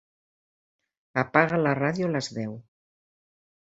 Apaga la ràdio a les deu.